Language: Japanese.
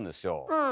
うん。